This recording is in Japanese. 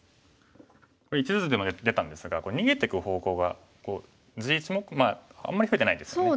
これ１図でも出たんですがこれ逃げていく方向が地があんまり増えてないですよね。